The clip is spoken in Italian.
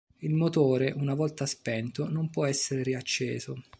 Il motore, una volta spento, non può essere riacceso.